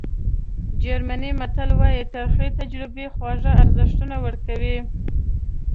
جرمني متل وایي ترخې تجربې خواږه ارزښت ورکوي.